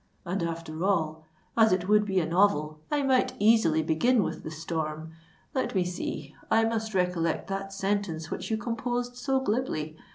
"And, after all, as it would be a novel, I might easily begin with the storm. Let me see—I must recollect that sentence which you composed so glibly.